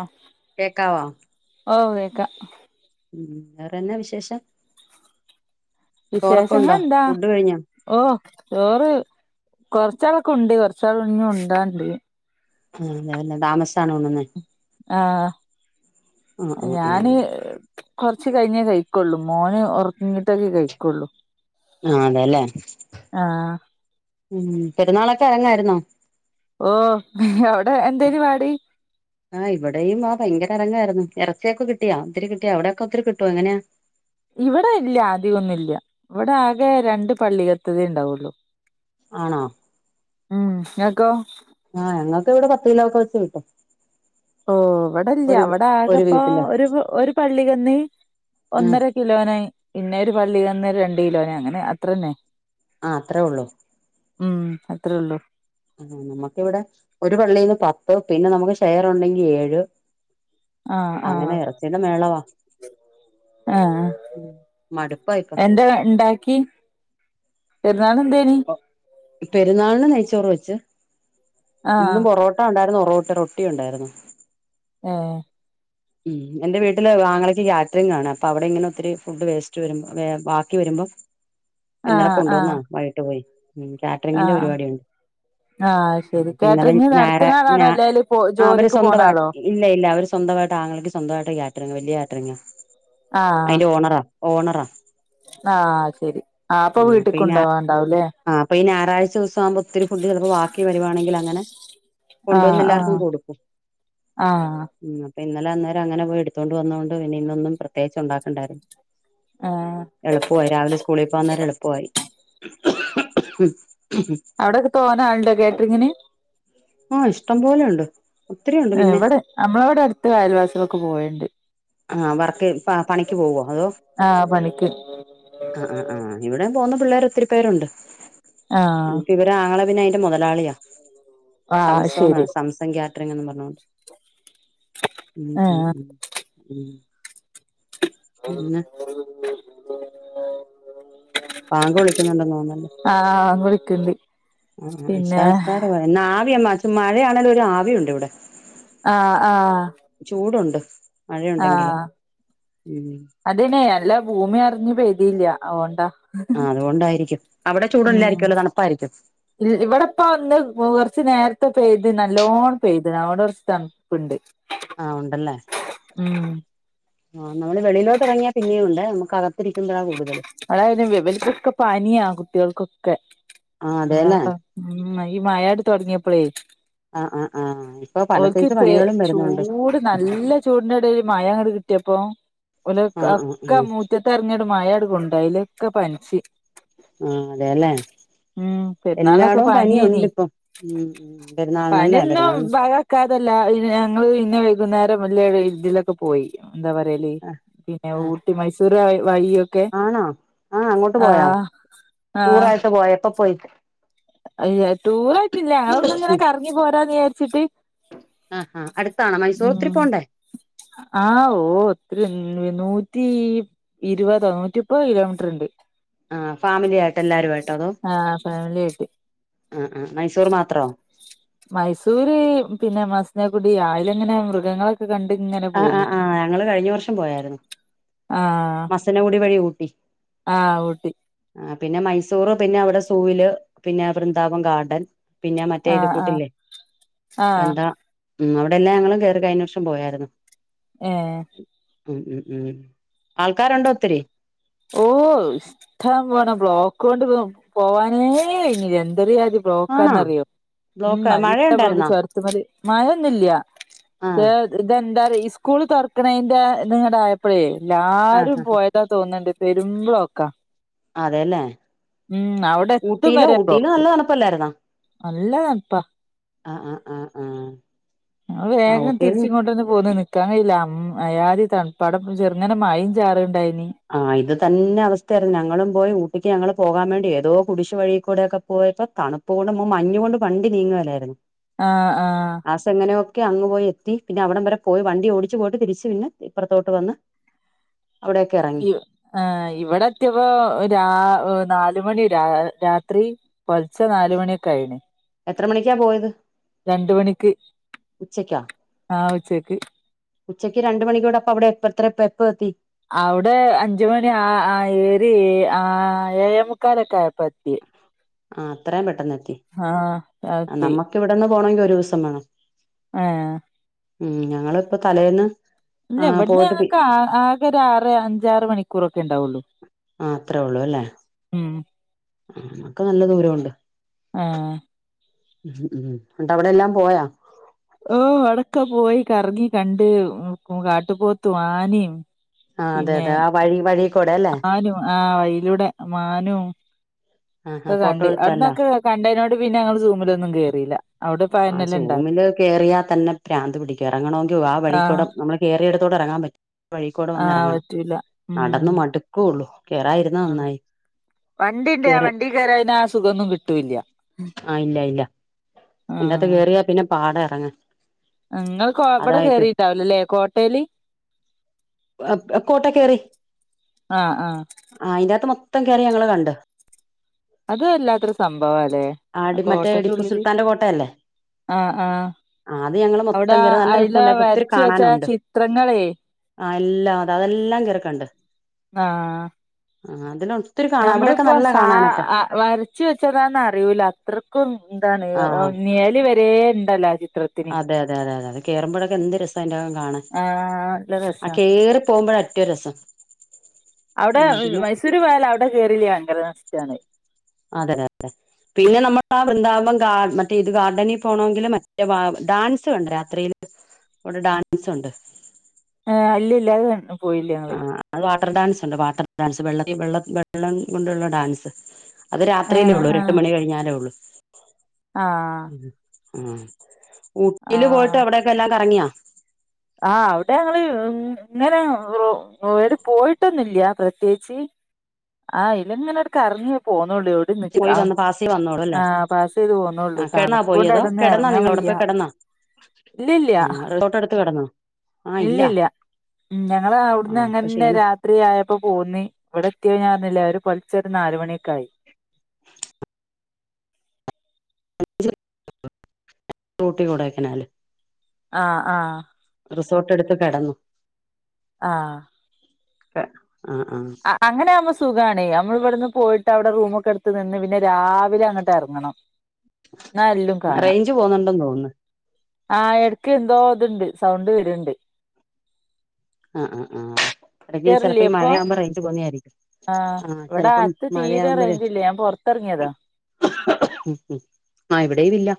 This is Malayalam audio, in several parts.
ആഹ് കേക്കാവോ ഓഹ് കേക്കാം ഉം വേറെന്നാ വിശേഷം ചോറൊക്കെ ഉണ്ടോ ഫുഡ് കഴിഞ്ഞോ ഓഹ് ചോറ് കൊറച്ചാളൊക്കെ ഉണ്ട് കൊറച്ചാൾ ഇഞ്ഞു ഉണ്ടാണ്ട് ആഹ് അതെല്ലേ താമസിച്ചാണോ ഉണ്ണുന്നെ ആഹ് ആ ആ ആ ഞാന് കൊറച്ച് കഴിഞ്ഞേ കഴിക്കൊള്ളു മോന് ഒറങ്ങിട്ടൊക്കെ കഴിക്കൊള്ളു ആഹ് അതെല്ലേ ആഹ് ഉം പെരുന്നാളൊക്കെ എറങ്ങാരുന്നോ ഓഹ് അവിടെ എന്തേനി പാട് ആഹ് ഇവിടെയും ആഹ് ഭയങ്കര എറങ്ങാരുന്നു എറച്ചിയൊക്കെ കിട്ടിയാ ഒത്തിരി കിട്ടിയാ അവിടെക്കെ ഒത്തിരി കിട്ടോ എങ്ങനാ ഇവിടെ ഇല്യ അദികൊന്നും ഇല്ല ഇവിടെ ആകെ രണ്ട് പള്ളികത്തതേ ഉണ്ടാവുള്ളൂ ആണോ ഉം ഇങ്ങക്കോ ആഹ് ഞങ്ങക്ക് ഇവിടെ പത്ത് കിലോക്കെ വെച്ച് കിട്ടും ഓഹ് ഇവടില്യ ഒരു ഇവിടെ ഒരു ആകെപ്പോ വീട്ടില് ഒരു ഒരു പള്ളികന്ന് ആ ഒന്നരക് കിലോനായി പിന്നെ ഒരു പള്ളി തന്ന രണ്ട് കിലോന അങ്ങനെ അത്ര തന്നെ. ആഹ് അത്രേ ഉള്ളു. ഉം അത്രേള്ളൂ. ഉം നമ്മക്കിവിടെ ഒരു പള്ളിയിൽന്ന് പത്ത് പിന്നെ നമുക്ക് ഷെയർ ഉണ്ടെങ്കി ഏഴ് ആഹ് അങ്ങനെ ആഹ് ഇറച്ചിടെ മേളവാ. ആഹ് മടുപ്പാ ഇപ്പൊ എന്താ ണ്ടാക്കീ? പേര്ന്നാൾന് എന്തേനി? പെരുന്നാൾന് നെയ്ച്ചോറ് വെച്ച് ആഹ് ഇന്നും പൊറോ ട്ട ണ്ടാരുന്നു ഒറോട്ട റോട്ടി ഉണ്ടായിരുന്നു. ഏ [inaudible] ഉം എന്റെ വീട്ടില് ആങ്ങളേക്ക് കാറ്ററിംഗ് ആണ് അപ്പൊ അവടെ ഇങ്ങനെ ഒത്തിരി ഫുഡ് വേസ്റ്റ് വരുമ്പോ ബാക്കി വരുമ്പോം ഇന്നലെ ആഹ് ആഹ് കൊണ്ടുവന്നാ വൈകിട്ട് പോയി ഉം കാറ്ററിങ്ങിന്റെ ആഹ് പരിപാടിയാണ്. ആഹ് ശരി ഇന്നലെ കാറ്ററിംഗ് നടത്ത്ണ ഞാറാ ആളാണോ ഞാ അല്ലേല് പോ അവര് ജോലിക്ക് പോണ സ്വന്തവാക്കി. ആളോ ഇല്ല ഇല്ല അവര് സ്വന്തമായിട്ട് ആങ്ങളേക്ക് സ്വന്തമായിട്ട് കാറ്ററിങ് വല്ല്യ കാറ്ററിങ്ങാ ആഹ് അയ്ന്റെ ഓണറാ. ഓണറാ. ആഹ് ശെരി ആ അപ്പൊ ആഹ് ഈ ഞാ വ്ട്ട്ക്ക്ണ്ടോവാൻ ണ്ടാവുലെ. ആഹ് അപ്പേ ഈ ഞായറാഴ്ചൊസാവുംമ്പോ ഒത്തിരി ഫുഡ്‌ ചെലപ്പോ വാക്കി വരുവാണെങ്കിൽ അങ്ങനെ ആഹ് കൊണ്ടുവന്ന എല്ലാർക്കും ആഹ് കൊടുക്കും. ആഹ് ഉം പ്പൊ ഇന്നലെ അന്നേരം അങ്ങെനേ പോയി എടുത്തോണ്ട് വന്നോണ്ട് പിന്നേ ഇന്നൊന്നും പ്രത്യേകിച്ച് ഉണ്ടാക്കണ്ടായിരുന്നു. ആഹ് എളുപ്പവായി രാവിലെ സ്കൂളിൽ പെനേരം എളുപ്പൊയി. [unintelligible] അവടൊക്കെ തോനാ ആള്ണ്ടോ കേറ്ററിങ്ങിന്? ആഹ് ഇഷ്ടം പോലെയുണ്ട്. വടെ നമ്മളവടെ അടുത്ത് അ യൽവാസിലോക്കെ പോയണ്ട്. ആഹ് വർക്ക് ആഹ് പണിക്ക് പോവോ അതോ ആഹ് പണിക്ക് ആ ആ ആ ഇവടെ പോവുന്ന പിള്ളേര് ഒത്തിരി പേരുണ്ട് ആഹ് ഒരാങ്ങളെ പിന്നെ അയിന്റെ മൊതലാളിയാ ആഹ് സംസോന്ന് ശരി സംസഗ്യ അത്രങ്ങും പറഞ്ഞോണ്ട് ഉം ഉം ആഹ് ഉം. ഉം. പിന്നെ ആ [unintelligible] പാങ്ക് വിളിക്കുന്നുണ്ട തോന്നല്ലേ ആഹ് വിളിക്ക്ണ്ട് ആ പിന്നെ ഇഷാസ്ക്കാ ആവിയമ്മ മഴയാണെലും ഒരു ആവിയുണ്ട് ഇവിടെ. ആഹ് ആഹ്. ചൂടുണ്ട് മഴയുണ്ടെങ്കിലും ഉം. അതനെ അല്ലാ ഭൂമി അറിഞ് പെയ്തിയില്ല അഓണ്ടാ. അതൊണ്ടായിരിക്കും അവടെ ചൂട് ഇല്ലായിരിക്കുംല്ലോ തണുപ്പായിരിക്കും. ഇൽ ഇവടെപ്പൊ ഒന്ന് കൊർച്ച് നേര്ത്തെ പെയ്ത് നല്ലോൺ പെയ്ത് അഓണ്ട് കൊർച്ച് തൺ പ്ണ്ട് ആഹ് ഉണ്ടല്ലേ ആ നമ്മള് വെളിയിലോട്ട് ഇറങ്ങിയാ പിന്നെയും ഉണ്ട് നമുക്ക്ക രിക്കുംമ്പളാ കൂടുതൽ. ഇവടെയ്‌ന് വിവൽക്കൊക്കെ പനിയാ കുട്ട്യേൾക്കൊക്കെ. ആ അതേല്ലേ [unintelligible] മ്മ്ഹ് ഈ മഴയട് തൊടങ്ങിയപ്പളേയ്. ആഹ് ആഹ് ആഹ് ഇപ്പൊ പല ഓൽക്ക് സൈസ് ഇപ്പേയ് പനികളും വരുന്നുണ്ട് ചൂട് നല്ല ചൂടിന്റെടയില് മഴങ്ങടു കി റ്റപ്പ ല ആഹ് ആഹ് ഒക്കെ ആഹ് മുറ്റത്തെ ഇറങ്ങിടും മയ അടുക്കുണ്ട അതില ഒക്കെ പനിച്ച് ആ അതെല്ലേ ഉം പെരുന്നാളിനൊക്കെ എല്ലാടോം പനിയേനി പനിയുണ്ട് ഇപ്പം ഉ പെരുന്നാളിനല്ലേ പെരുന്നാളിന് കാ അതല്ല ഇങ്ങള് പിന്നെ വൈകുന്നേരം വല്ല ഇതിലെ ക്കെപോയി എന്താ പറയല് ആഹ് പിന്നെ ആഹ് ഊട്ടി മൈസൂർ വഴിയൊ ആണോ ആഹ് അങ്ങോട്ട് പോയാ ടൂറായ്ട്ട് പോയ എപ്പ പോയി അയ് ടൂറായിട്ടില്ല അതൊന്നിങ്ങനെ കറങ്ങി പോരാന്ന് വിചാരിച്ചിട്ട് അഹ് ഹാ അടുത്താണോ മൈസൂർ ഇത്തിരി ഉം പോണ്ടേ? ആഹ് ഓഹ് ഒത്തിരി നൂറ്റി ഇരുവതോ നൂറ്റി മുപ്പത് കിലോമീറ്റർണ്ട് ആഹ് ഫാമിലി ആയിട്ട് എല്ലാരുംആയിട്ടോ അതോ ആഹ് ഫാമിലി ആയിട്ട് ആഹ് ആഹ് മൈസൂർ മാത്രോ? മൈസൂര് പിന്നെ മസ്നഗുടി ആയ്ലങ്ങനെ മൃഗങ്ങളെ ആഹ് ആഹ് ആഹ് ഞങ്ങള് കഴിഞ്ഞ വർഷം പോയാര്ന്ന് ആഹ് മസനഗുടി വഴി ഊട്ടി ആഹ് ഊട്ടി ആഹ് പിന്നെ മൈസൂർ പിന്നെ അവിടെ സൂവില് പിന്നെ വൃന്ദാവം ഗാർഡൻ പിന്നെ മറ്റേ ഇത് ആഹ് ആഹ് കൂട്ടില്ലേ ആഹ് എന്താ ഉം അവിടെ എല്ലാം ഞങ്ങളും കേറി കഴിഞ്ഞ വർഷം പോയാരുന്നു ഏഹ് ഉം ഉം ഉം ആൾക്കാരുണ്ടോ ഒത്തിരി? ഓഹ് ഇഷ്ട്ടം പോലെ ബ്ലോക്കൊണ്ട് പോവാനേ കയ്ഞ്ഞീല എന്തൊരുയാതി ആണോ ബ്ലോക്കാന്നറിയോ ഉം ബ്ലോക്ക് നല്ല ബ്ലോക്ക് മഴയുണ്ടായിരുന്നോ ചൊര് ത്ത്മല് മഴൊന്നുല്ല്യ ക്ഷേ ഇതെന്താറ്‌യോ ഇസ്കൂൾ തൊർക്ക്ണേന്റെ ത്ങ്ങടായപ്പളെ എല്ലാരും ആഹ് പോയതാ തോന്നീണ്ട് പെരും ബ്ലോക്ക അതെല്ലേ അവിടെ എത്തും ഊട്ടിയില് വരെ ഊട്ടീല് ബ്ലോക്ക് നല്ല തണുപ്പല്ലായിരുന്നോ? നല്ല തണ്പ്പാ ആഹ് ആഹ്ആഹ് ആഹ് അത് ആ വേഗം ഊട്ടിയിൽ തിരിച്ചിങ്ങോട്ടന്നെ പോന്നീണ് നിക്കാൻ കയ്ല അം അയാതി തണ് പ്പാ ടപ്പൊ ചെർങ്ങനെ മയിം ചാറ്ണ്ടെയ്നി ആഹ് ഇത് തന്നെ അവസ്ഥയാരുന്നു ഞങ്ങളും പോയി ഊട്ടിക്ക് ഞങ്ങള് പോകാൻ വേണ്ടി ഏതോ കുടിശി വഴികൂടൊക്കെ പോയപ്പോ തണു പ്പോണ്ട് മഞ്ഞുകൊണ്ട് വണ്ടി നീങ്ങേല്ലായിരുന്നു ആഹ്ആഹ് ലാസ്റ്റ് എങ്ങനെയൊക്കെ അങ്ങ് പോയി എത്തി പിന്നെ അവിടം വരെ പോയി വണ്ടി ഓടിച്ച് പോയിട്ട് തിരിച്ച് പിന്നെ ഇപ്പറത്തോട്ട് വന്ന് അവിടെയൊക്കെ എറങ്ങി ആഹ് ഇവിടെത്തിയപ്പോ രാ നാലുമണി രാ രാത്രി പൊൽച്ചെ നാല് മണിയൊക്കഴിഞ്ഞ് എത്ര മണിക്കാ പോയത്? രണ്ട് മണിക്ക് ഉച്ചക്കാ ആഹ് ഉച്ചക്ക് ഉച്ചയ്ക്ക് രണ്ട് മണിക്കൂടെ അപ്പ അവിടെ എപ്പത്ര എപ്പ എപ്പത്തി അവിടെ അഞ്ച് മണി ആഹ് ഏരി ആഹ് ഏഴെമുക്കാലൊക്കെ ആയപ്പാത്യേ ആഹ് അത്രയും പെട്ടെന്നെത്തി ആഹ് എത്തി നിക്കിവിടെന്ന് പോണോങ്കി ഒരു ദിവസം വേണം ഏഹ് ഉം ഞങ്ങളിപ്പൊ തലേന്ന് ഇല്ല ആ ഇവിട്ന്ന് പോയിട്ട് പി ഞങ്ങക്ക് ആ ആകെ ഒരു ആറ് അഞ്ചാറ് മണിക്കൂറൊക്കെണ്ടാവൊള്ളൂ ആഹ് അത്രേ ഉള്ളൂ അല്ലേ? ആ നമ്മക്ക് നല്ല ദൂരൊണ്ട് ആഹ് ഉം ഉം ഉം ണ്ട അവിടെ എല്ലാം പോയാ? ഓഹ് ഔടൊക്കെ പോയി കറങ്ങി കണ്ട് കാട്ടുപോത്തും ആനിം ആഹ് അതെ അതെ ആ വഴി വഴിക്കൂടെ അല്ലേ മാനും ആഹ് വയിലൂടെ മാനും ആ ആ ഒക്കെ ഫോട്ടോ കണ്ട് എടുത്തല്ലോ അവിട്ന്നൊക്കെ കണ്ടേനോണ്ട് പിന്നെ ങ്ങള് സൂമിലൊന്നും കേറീല ആഹ് സൂമില് കേറിയാ തന്നെ പ്രാന്ത് പിടിക്കും ഇറങ്ങണൊങ്കി ആഹ് വഴിക്കൂടെ നമ്മള് കേറിയേട്ത്തൂടെ എറങ്ങാം പറ്റ വഴിക്കൂടെ ആഹ് വന്നിറങ്ങണം പറ്റൂല ഉം നടന്ന് മടുക്കുള്ളൂ കേറായിരുന്ന നന്നായി കേറ്യ രതിനന് ആ സുഖംന്നും കിട്ടൂില്ല ആഹ് ഇല്ല ഇല്ല ഐന്റകത്ത് ആഹ് കേറിയാ പിന്നെ പാടം ഇറങ്ങ നിങ്ങൾ എവിടെ കേറിട്ടാവലല്ലേ കോട്ടെല് കോട്ട കറി ആഹ് ആഹ് ആഹ് അയിന്റെകത്ത് മൊത്തം കേറി ഞങ്ങള് കണ്ട് അത അല്ലാത്തരു സംഭവ അല്ലേ ആടിമറ്റേ ഇടിപ്പു സുൽത്താന്റെ കോട്ടയല്ലേ ആഹ് ആഹ് ആഹ് അത് ഞങ്ങള്ൾ മൊത്തം അവിടെ കേയറി നല്ല അയില രസണ്ടായിത് ഒത്തിരി വരച്ച് വെച്ച കാണാനുണ്ട് ചിത്രങ്ങളേ ആഹ് എല്ലാ അത അതെല്ലാം കേറീക്കണ്ട് ആഹ് ആഹ് അതിൽ ഒത്തിരി കാണാം അവിടെയൊക്കെ നമ്മളിപ്പോ നല്ല സാ കാണാനൊക്കെ വരച്ച് വെച്ചതാണ അറിയിൂല അത്രയ്ക്കും എന്താണ് ആ നിഴൽ വരെ ഉണ്ടല്ലോ ചിത്ര അതെ അതെ അതെ അതെതെ കേറുമ്പഴൊക്കെ എന്ത് രസ അൻന്റെകം കാണൻ ആഹ് നല്ല ആ രസാ കേറി പോകുമ്പോഴ അറ്റവും രസം അവിടെ ഉം പിന്നെ മൈസൂര് പോയാല അവിടെ കയറില്ലേ ഭയര നഷ്ടാണ് അതെ അതെ പിന്നെ നമ്മൾ ആ വൃന്ദാവം ഗ മറ്റേ ഇത് ഗാർഡനിൽ പോകണമെങ്കില് മറ്റേ ഡാൻസ് കണ്ട് രാത്രിയില് ഇവിടെ ഡാൻസ് ഉണ്ട് ആഹ് അല്ല ഇല്ല അത് ക ആഹ് അത് വാട്ടർ ഡാൻസ് ഉണ്ട് വാട്ടർ ഡാൻസ് വെള്ളത്തിെള്ള വെള്ളം കൊണ്ടുള്ള ഡാൻസ് അത് രാത്രിയിലേ ഏഹ് ഉള്ളൂ ഒരു എട്ട് ആഹ് മണി കഴിഞ്ഞാലേ ഉള്ളു ആഹ് ഉം ഊട്ടില് പോയിട്ട് ആഹ് അവിടെക്കെ എല്ലാം കറങ്ങിയാ ആഹ് അവിടെ ഞങ്ങള് ഇങ്ങനെട് പോയിട്ടൊന്നുല്ല പ്രത്യേകിച്ച് ആഹ് അയ്ലങ്ങനെടടുെ ഇറങ്ങി പോന്നള്ളൂ പോയി വന്ന് ഫാസി വന്നോളൂ അല്ലേ ചെയ്ത് പോന്നോള്ളൂ ആ കിടന്നാ തണുപ്പോണ്ട് പോയിതോ അവിടൊന്നും കിടന്നാ എറങ്ങാൻ നിങ്ങവിട വയ്യ പോയ് കിടന്നാ ഇല്ലില്ല ആഹ് റിസോർട്ട് എടുത്ത് കിടന്നോ ആഹ് ഇല്ല ഇല്ലില്ല ഉം ഞങ്ങള ആ അവിടന്ന് അപ്പൊ അങ്ങനെന്നേ ക്ഷീണം രാത് എത്രരിയപ്പോ പോന്നി ഇവിടെ എത്തിയോഞ്ഞറിന്നില്ലേ അവര് കൊലിച്ചൊ ഒരു നാല്മണിയൊക്ക ആായി [unintelligible] ട്ടടക്കനാല് ആഹ് ആഹ് റിസോർട്ട് എടുത്ത് കിടന്നു ആഹ് ആഹ് ആഹ് അ അങ്ങനെ ആമ്പോ സുഖമാണ് നമ്മിവിടുന്ന് പോയിട്ട് അവിടെ റൂമൊക്കെ എടുത്ത് നിന്ന് പിന്നെ രാവിലെ അങ്ങട്ട് ഇറങ്ങണം എന്നാ എല്ലാം കാണാം റേഞ്ച് പോകുന്നുണ്ടെന്ന് തോന്നുന്നു ആഹ് ഇടക്ക് എന്തോ ഇതുണ്ട് സൗണ്ട് വരുന്നുണ്ട് ആ ആ ആ ഇടക്ക് ചിലപ്പോ ഈ മഴയാവുമ്പോ റേഞ്ച് പോന്നതായിരിക്കും ആഹ് ഇവിടെ അകത്ത് തീരെ റേഞ്ചില്ല ഞാൻ പൊറത്തിറങ്ങിയതാ ആഹ് ഇവിടെയും ഇല്ല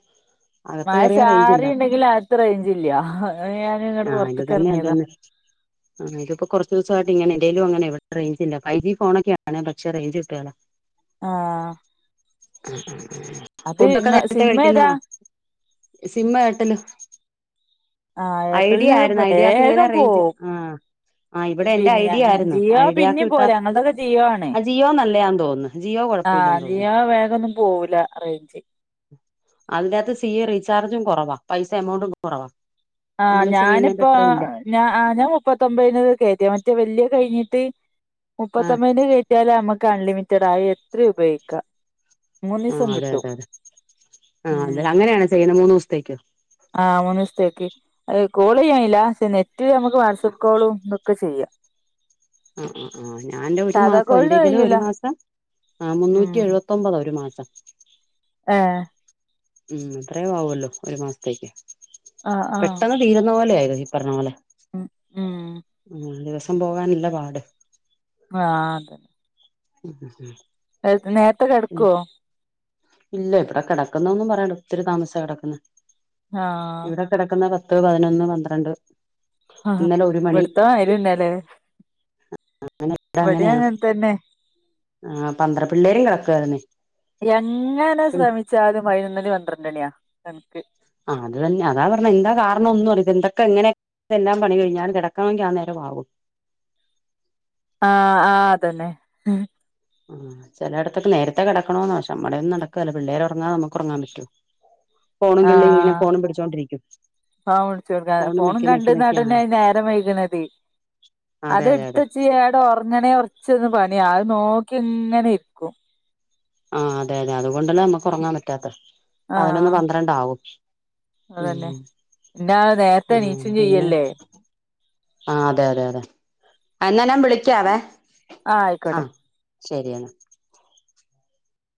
അകത്ത് മഴ കയറിയാ റേഞ്ച് ഇല്ല ചാറിയുണ്ടങ്കിൽ അകത്ത്‌ റേഞ്ചില്ല ഞാൻ ഇങ്ങോട്ട് പുറത്തേക്കിങ്ങിയതാ ആഹ് ഇതിപ്പോ കുറച്ച് ദിവസമായിട്ട് ഇങ്ങനെ എന്റേലും അങ്ങനെ ഇവിടെ റേഞ്ചില്ല ഫൈവ് ജി ഫോണൊക്കെയാണ് പക്ഷ റേഞ്ച് കിട്ടുവേല ആഹ് ആ ആ ആ അത് ഫുഡൊക്കെ ഇങ്ങ നേരത്തെ സിം ഏതാ കഴിക്കുന്നതാണോ സിമ്മ് എയർടെൽ ആ ഐഡിയ എയർടെലിന് ആയിരുന്നു ഐഡിയാക്ക്‌ ഇങ്ങനെ വേഗം റേഞ്ച് പോവും ആഹ് ആഹ് ഇവിടെ എന്റെ പിന്നെ ഞ ഐഡിയ ആയിരുന്നു ജിയോ ഐഡിയാക്ക്‌ പിന്നെയും കിട്ടാ പോവൂല ഞങ്ങളതൊക്കെ ജിയോ ആ ജിയോ നല്ലയാന്ന് തോന്നുന്നു ജിയോ ആഹ് കുഴപ്പമില്ലെന്ന് തോന്നുന്നു ജിയോ വേഗം ഒന്നും പോവൂല്ല റേഞ്ച് അതിന്റകത്ത് സി റീചാർജും കുറവാ പൈസ എമൗണ്ടും കുറവാ ആഹ് നമ്മള് ചെയ്യുന്നതിന്റെ ഞാനിപ്പോ അത്ര ഇല്ല ഞാ ആ ഞാൻ മുപ്പത്തൊമ്പതിന് കേറ്റി മറ്റേ വല്യ കഴിഞ്ഞിട്ട് ആഹ് മുപ്പത്തൊമ്പതിന്റെ കേ റ്റിയാല് നമുക്ക് അൺലിമിറ്റഡാ ആ എത്രയും ഉപയോഗിക്കാം. ആഹ് മൂന്നീസം അതെ കിട്ടും അതെ അതെ ആ അതെ ഉം അങ്ങനെയാണോ ചെയ്യുന്നത് മൂന്ന് ദിവസത്തേക്കോ ആഹ് മൂന്ന് ദിവസത്തേക്ക് അത് കോള് ചെയ്യാനില്ല പക്ഷെ നെറ്റ് നമുക്ക് വാട്സ്ആപ്പ് കോളും ഒക്കെ ചെയ്യാം ആ ആ ആ ഞാൻ എന്റെ ഒരു സാധാ മാസം കോളിന് എന്റെ ഇതില് കഴിയൂല ഒരു മാസം ആ മുന്നൂറ്റി ഉം എഴു പത്തൊമ്പതോ ഒരു മാസം ആഹ് ഉം അത്രേയും ആവൂല്ലോ ഒരു മാസത്തേക്ക് ആഹ് ആഹ് പെട്ടെന്ന് തീരുന്ന പോലെ ആയിരുന്നു ഈ പറഞ്ഞ പോലെ ഉം ഉം ആഹ് ദിവസം പോകാനല്ല പാട് ആഹ് അതേ ഉം ഉം ഉം നേരത്തെ കിടക്കുവോ ഇല്ല ഇവിടെ കിടക്കുന്നൊന്നും പറയണ്ട ഒത്തിരി താമസിച്ചാ കിടക്കുന്നെ ആഹ് കിടക്കുന്നെ പത്ത് പതിനൊന്ന് പന്ത്രണ്ട് ആ ഇന്നലെ ഒരു മണി ഇവിടുത്ത മാതിരി തന്നെയല്ലേ ഇവിടെയും അങ്ങനെ തന്നെ ആ പന്ത്ര പിള്ളേരും കിടക്കുവാരുന്നേ [unintelligible] പതിനൊന്ന് മണി പന്ത്രണ്ട്‌ മണിയാ കണക്ക് ആഹ് അത് തന്നെ അതാ പറഞ്ഞേ എന്താ കാരണം ഒന്നും അറിയത്തില്ല എന്തൊക്കെ എങ്ങനെ ഇതെല്ലാം പണി കഴിഞ്ഞാലും കിടക്കണമെങ്കിൽ ആ നേരം ആവും ആഹ് ആഹ് അത് തന്നെ ആഹ് ചിലയിടത്തൊക്കെ നേരത്തെ കിടക്കണോന്നാ പക്ഷെ നമ്മടെ ഒന്നും നടക്കുവേല്ല പിള്ളേര് ഉറങ്ങാതെ നമുക്ക് ഉറങ്ങാൻ പറ്റുവോ ഫോണും കിള്ളി ഇങ്ങനെ ഫോണും പിടിച്ചോണ്ടിരിക്കും ആഹ് വിളിച്ചു കൊടുക്കാൻ ഫോണും നെക്കി നെക്കി കണ്ട നെക്കി ആ നടന്നാ നേരം വൈകണതെ അത് അതെ അതെ എടുത്ത്‌ അതെ വച്ച് കഴിഞ്ഞാൽ ഉറങ്ങണേ കുറച്ചൊന്ന് പണിയാ അത് നോക്കി ഇങ്ങനെ ഇരിക്കും ആഹ് അതെ അതെ അതുകൊണ്ടാണ് നമുക്ക് ഉറങ്ങാൻ പറ്റാത്തെ പതിനൊന്ന് പന്ത്രണ്ട്‌ ആവും അത് തന്നെ എന്നാ നേരത്തെ എണീച്ചുവേയും ചെയ്യുവല്ലേ ആഹ് അതെ അതെ അതെ എന്നാ ഞാൻ വിളിക്കാവേ. ആഹ് ആയിക്കോട്ടെ. ശരിയാണ്.